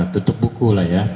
tutup buku lah ya